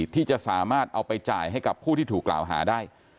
ที่จะสามารถเอาไปจ่ายให้กับผู้ที่ถูกกล่าวหาได้